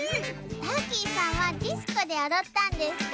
ターキーさんはディスコでおどったんですか？